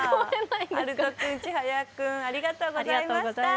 はると君、ちはや君、ありがとうございました。